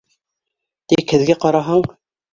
Тик һеҙгә ҡараһаң...